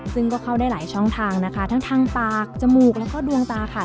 ซึ่งก็เข้าได้หลายช่องทางนะคะทั้งทางปากจมูกแล้วก็ดวงตาค่ะ